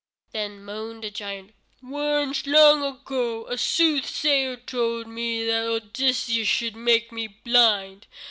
Then moaned the giant: "Once, long ago, a soothsayer told me that Odysseus should make me blind.